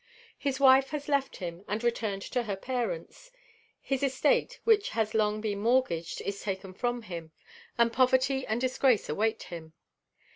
His wife has left him, and returned to her parents. His estate, which has been long mortgaged, is taken from him, and poverty and disgrace await him.